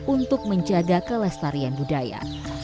untuk menjaga kelestarian budaya